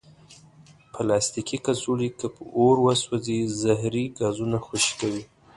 پلاستيکي کڅوړې که په اور وسوځي، زهري ګازونه خوشې کوي.